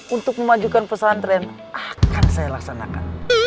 untuk memajukan pesantren akan saya laksanakan